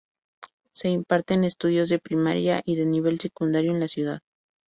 Se imparten estudios de primaria y de nivel secundario en la ciudad.